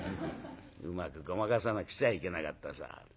うまくごまかさなくちゃいけなかったそう。